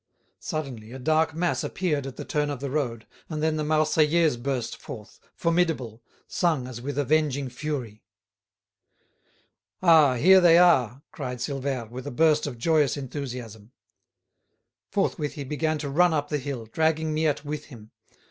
Suddenly a dark mass appeared at the turn of the road, and then the "Marseillaise" burst forth, formidable, sung as with avenging fury. "Ah, here they are!" cried Silvère, with a burst of joyous enthusiasm. Forthwith he began to run up the hill, dragging Miette with him.